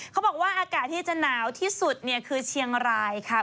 เขาบอกว่าอากาศที่จะหนาวที่สุดเนี่ยคือเชียงรายค่ะ